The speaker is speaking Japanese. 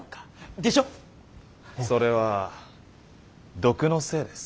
それは毒のせいです。